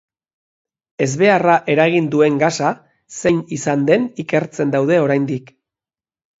Ezbeharra eragin duen gasa zein izan den ikertzen daude oraindik.